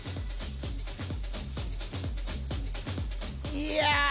いや！